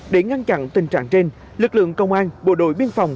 để ngăn chặn tình trạng trên lực lượng công an bộ đội biên phòng